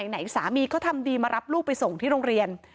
สามีเขาทำดีมารับลูกไปส่งที่โรงเรียน